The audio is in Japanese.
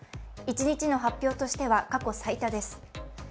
一日の発表としては過去最多です。